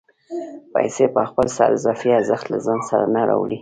پیسې په خپل سر اضافي ارزښت له ځان سره نه راوړي